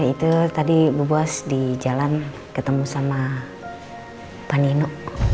itu tadi bu bos di jalan ketemu sama paninu